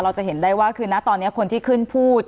จะเห็นได้ว่าคือนะตอนนี้คนที่ขึ้นพูด